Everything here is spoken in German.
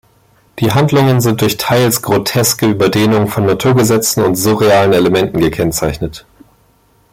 Die Handlungen sind durch teils groteske Überdehnung von Naturgesetzen und surrealen Elementen gekennzeichnet.